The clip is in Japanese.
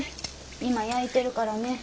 今焼いてるからね。